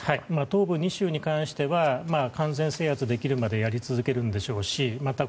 東部２州に関しては完全制圧できるまでやり続けるんでしょうしまた